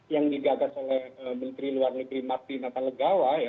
yang digagas oleh menteri luar negeri martin natalegawa ya